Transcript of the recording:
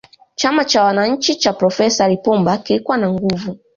chama cha wananchi cha profesa lipumba kilikuwa na nguvu